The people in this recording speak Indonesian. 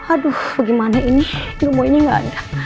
aduh bagaimana ini ilmunya gak ada